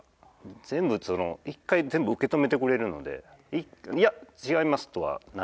全部その一回全部受け止めてくれるのでいや違いますとはならないので。